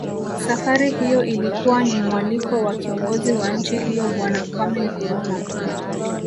Safari hiyo ilikuwa ni mwaliko wa kiongozi wa nchi hiyo Bwana Kwameh Nkrumah